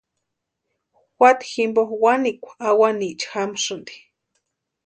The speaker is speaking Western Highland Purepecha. Juata jimpo wanikwa awaniecha jamasïnti.